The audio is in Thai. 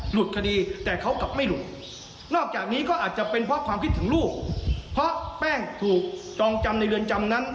หลุดคดีแต่เขากลับไม่หลุดนอกจากนี้ก็อาจจะเป็นเพราะความคิดถึงลูกเพราะแป้งถูกจองจำในเรือนจำนั้น